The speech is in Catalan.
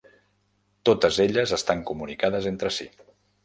Totes elles estan comunicades entre si.